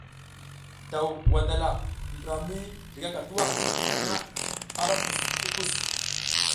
Daw wandala ndra mi zligaka tuwa na ara pus ti pus.